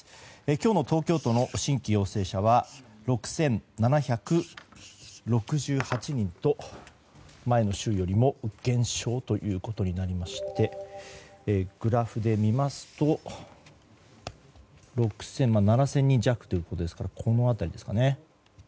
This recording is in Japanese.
今日の東京都の新規陽性者は６７６８人と前の週よりも減少ということになりましてグラフで見ますと７０００人弱ということでこの辺りですかね。